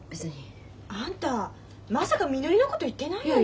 あんたまさかみのりのこと言ってないよね？